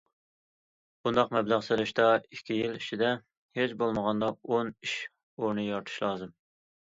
بۇنداق مەبلەغ سېلىشتا ئىككى يىل ئىچىدە ھېچبولمىغاندا ئون ئىش ئورنى يارىتىشى لازىم.